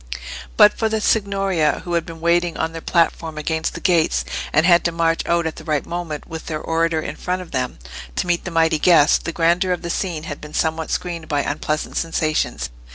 But for the Signoria, who had been waiting on their platform against the gates, and had to march out at the right moment, with their orator in front of them, to meet the mighty guest, the grandeur of the scene had been somewhat screened by unpleasant sensations.